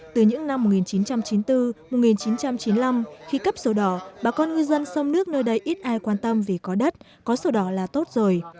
từ những năm một nghìn chín trăm chín mươi bốn một nghìn chín trăm chín mươi năm khi cấp sổ đỏ bà con ngư dân sông nước nơi đây ít ai quan tâm vì có đất có sổ đỏ là tốt rồi